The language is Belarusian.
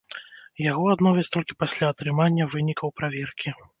Яго адновяць толькі пасля атрымання вынікаў праверкі.